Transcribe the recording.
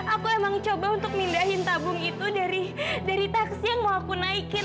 aku emang coba untuk mindahin tabung itu dari taksi yang mau aku naikin